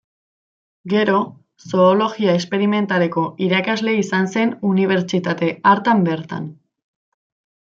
Gero, Zoologia Esperimentaleko irakasle izan zen unibertsitate hartan bertan.